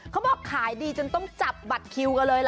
เขาบอกขายดีจนต้องจับบัตรคิวกันเลยล่ะ